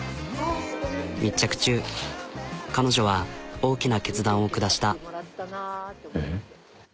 密着中彼女は大きな決断を下した。